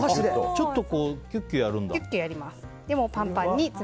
ちょっとキュッキュやるんだ。